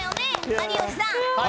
有吉さん。